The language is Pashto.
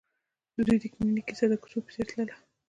د دوی د مینې کیسه د کوڅه په څېر تلله.